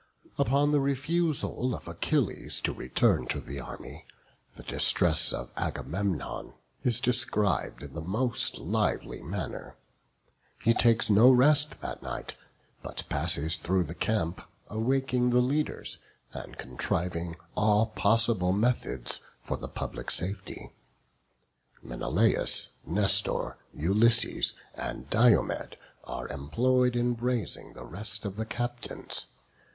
Upon the refusal of Achilles to return to the army, the distress of Agamemnon is described in the most lively manner. He takes no rest that night, but passes through the camp, awaking the leaders, and contriving all possible methods for the public safety. Menelaus, Nestor, Ulysses, and Diomed, are employed in raising the rest of the captains.